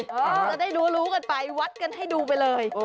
จะได้รู้กันไปวัดกันให้ดูไปเลย